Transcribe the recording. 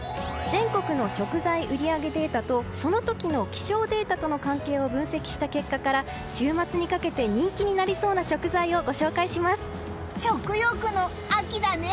全国の食材売り上げデータとその時の気象データとの関係を分析した結果から週末にかけて人気になりそうな食材を食欲の秋だね！